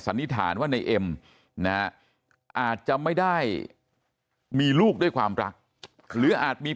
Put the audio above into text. นิษฐานว่าในเอ็มนะอาจจะไม่ได้มีลูกด้วยความรักหรืออาจมี